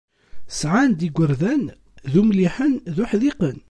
Sɛan-d igerdan d umliḥen d uḥdiqen.